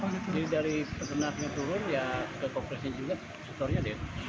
jadi dari peternaknya turun ya ke koperasi juga susunya deh